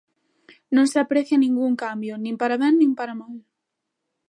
Non se aprecia ningún cambio: nin para ben nin para mal.